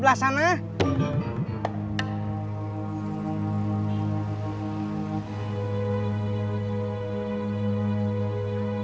pak flank kalian mom empire